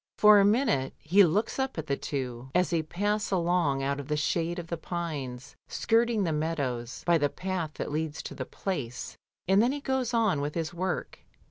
For a minute he looks up at the two, as they pass along out of the shade of the pines, skirting the meadows, by the path that leads to the Place, and then he goes on with his work.